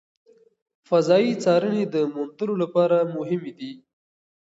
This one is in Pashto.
فضایي څارنې د موندلو لپاره مهمې دي.